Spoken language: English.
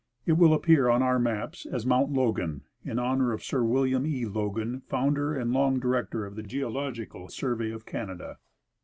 It will appear on our maps as Mount Logan, in honor of Sir William E. Logan, founder and long director of the Geological Survey of Canada.